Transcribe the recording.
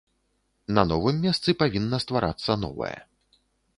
На новым месцы павінна стварацца новае.